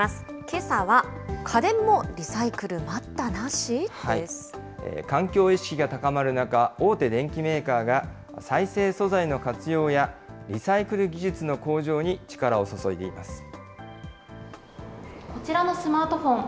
けさは家電もリサイクル待ったな環境意識が高まる中、大手電機メーカーが再生素材の活用やリサイクル技術の向上に力をこちらのスマートフォン。